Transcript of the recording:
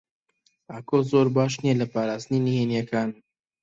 ئاکۆ زۆر باش نییە لە پاراستنی نهێنییەکان.